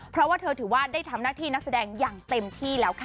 เพราะว่าเธอถือว่าได้ทำหน้าที่นักแสดงอย่างเต็มที่แล้วค่ะ